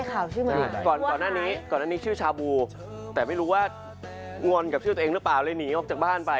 ก่อนหน้านี้ก่อนอันนี้ชื่อชาบูแต่ไม่รู้ว่างอนกับชื่อตัวเองหรือเปล่าเลยหนีออกจากบ้านไป